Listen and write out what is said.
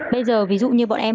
bây giờ ví dụ như bọn em